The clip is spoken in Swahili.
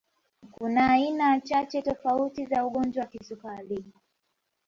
Kuna aina chache tofauti za ugonjwa wa kisukari